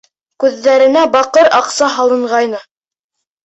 Күҙҙәренә баҡыр аҡса һалынғайны.